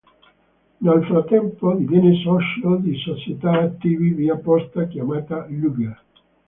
Nel frattempo diviene socio di società attivi via posta, chiamata Luger.